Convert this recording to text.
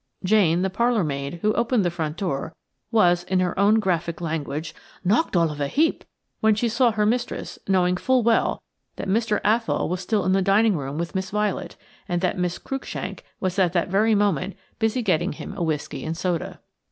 Jane, the parlour maid who opened the front door, was, in her own graphic language, "knocked all of a heap" when she saw her mistress, knowing full well that Mr. Athol was still in the dining room with Miss Violet, and that Miss Cruikshank was at that very moment busy getting him a whisky and soda.